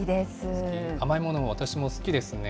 甘いもの、私も好きですね。